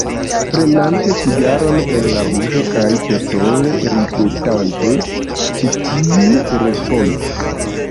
Prenante cigaron el la buŝo kaj petole ridetante, ĉi tiu respondis: